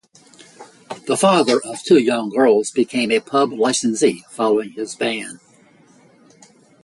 The father of two young girls became a pub licensee following his ban.